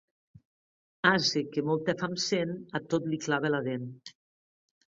Ase que molta fam sent, a tot li clava la dent.